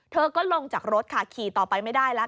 เธอก็ลงจากรถค่ะขี่ต่อไปไม่ได้แล้ว